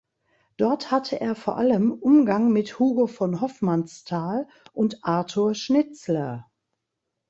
Dort hatte er vor allem Umgang mit Hugo von Hofmannsthal und Arthur Schnitzler.